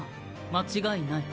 間違いない。